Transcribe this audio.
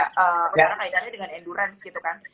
karena kaitannya dengan endurance gitu kan